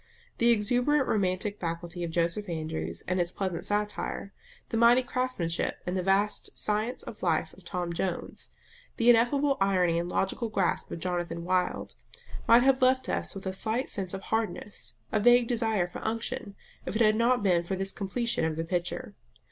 The exuberant romantic faculty of Joseph Andrews and its pleasant satire; the mighty craftsmanship and the vast science of life of Tom Jones; the ineffable irony and logical grasp of Jonathan Wild, might have left us with a slight sense of hardness, a vague desire for unction, if it had not been for this completion of the picture.